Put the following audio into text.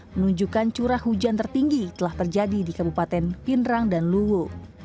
menunjukkan curah hujan tertinggi telah terjadi di kabupaten pindrang dan luwu